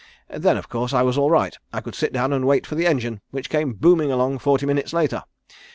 Then, of course, I was all right. I could sit down and wait for the engine, which came booming along forty minutes later.